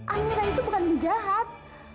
amira itu bukan penjahat